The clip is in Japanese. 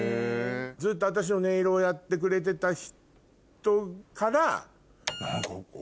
ずっと私のネイルをやってくれてた人から。